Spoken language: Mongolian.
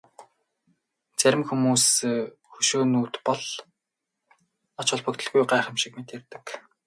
Зарим хүмүүс хөшөөнүүд бол ач холбогдолгүй гайхамшиг мэт ярьдаг.